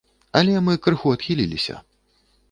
Але мы крыху адхіліліся.